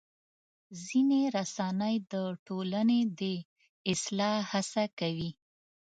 ځینې رسنۍ د ټولنې د اصلاح هڅه کوي.